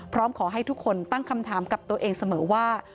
พร้อมขอให้ทุกคนตั้งคำถามกับตัวเองเสมอว่า